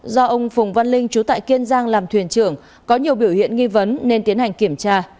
do ông phùng văn linh chú tại kiên giang làm thuyền trưởng có nhiều biểu hiện nghi vấn nên tiến hành kiểm tra